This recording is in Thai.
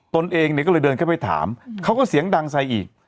ตนเองเนี่ยก็เลยเดินเข้าไปถามเขาก็เสียงดังใส่อีก